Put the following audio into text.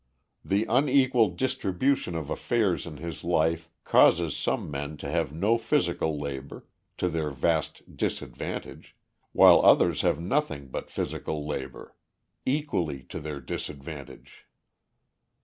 The unequal distribution of affairs in this life causes some men to have no physical labor, to their vast disadvantage, while others have nothing but physical labor, equally to their disadvantage.